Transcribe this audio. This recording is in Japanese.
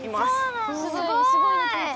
すごい！